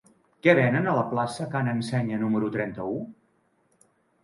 Què venen a la plaça de Ca n'Ensenya número trenta-u?